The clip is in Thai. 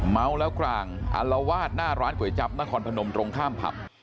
เมาแล้วกลางอารวาสหน้าร้านก๋วยจับนครพนมตรงข้ามผับ